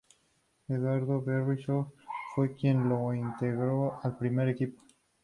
Eduardo Berizzo fue quien lo integró al primer equipo.